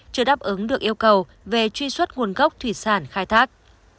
chưa đáp ứng được yêu cầu về truy xuất nguồn gốc thủy sản khai thác